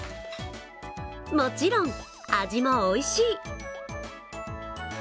もちろん、味もおいしい。